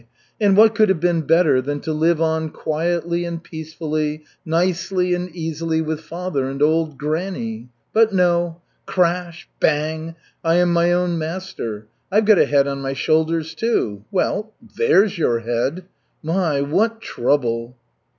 And what could have been better than to live on quietly and peacefully, nicely and easily with father and old granny? But no! Crash! Bang! I am my own master, I've got a head on my shoulders, too! Well, there's your head! My, what trouble!"